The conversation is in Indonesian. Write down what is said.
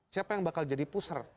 siapa yang bakal jadi puser